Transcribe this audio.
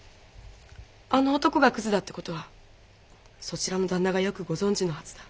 あの男がクズだって事はそちらの旦那がよくご存じのはずだ。